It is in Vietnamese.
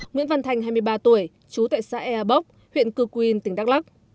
nguyễn văn thành hai mươi ba tuổi chú tại xã ea bốc huyện cư quyên tỉnh đắk lắc